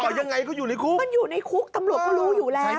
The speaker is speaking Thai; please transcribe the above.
เอายังไงก็อยู่ในคุกมันอยู่ในคุกตำรวจก็รู้อยู่แล้ว